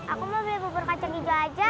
enggak aku mau beli bubur kacang hijau aja